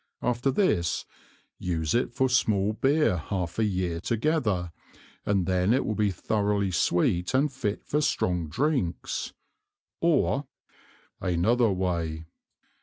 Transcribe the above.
After this, use it for small Beer half a Year together, and then it will be thoroughly sweet and fit for strong Drinks; or Another Way.